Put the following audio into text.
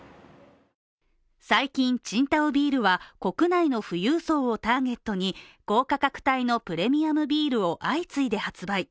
最近、青島ビールは国内の富裕層をターゲットに高価格帯のプレミアムビールを相次いで発売。